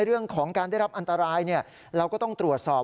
เรื่องของการได้รับอันตรายเราก็ต้องตรวจสอบ